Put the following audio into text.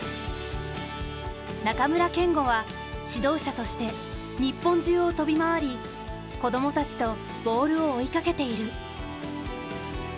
中村憲剛は指導者として日本中を飛び回り子供たちとボールを追いかけている。